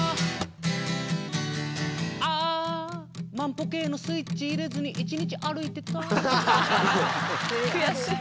あぁ万歩計のスイッチ入れずに一日歩いてた悔しい。